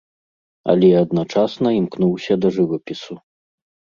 Але адначасна імкнуўся да жывапісу.